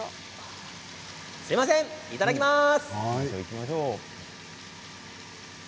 すみませんいただきます。